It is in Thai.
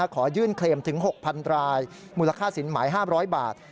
ขอยื่นเคลมถึง๖๐๐๐รายมูลค่าสินหมาย๕๐๐บาท